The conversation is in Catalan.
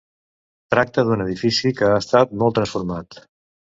Tracta d'un edifici que ha estat molt transformat.